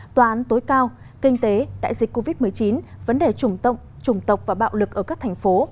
tòa án tối cao kinh tế đại dịch covid một mươi chín vấn đề chủng tộc và bạo lực ở các thành phố